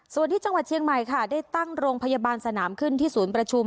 ส่วนที่จังหวัดเชียงใหม่ค่ะได้ตั้งโรงพยาบาลสนามขึ้นที่ศูนย์ประชุม